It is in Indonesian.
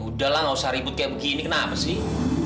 udah lah gak usah ribut kayak begini kenapa sih